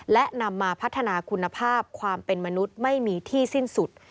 และนำมาพัฒนาคุณภาพความเป็นมนุษย์ไม่มีที่สิ้นสุด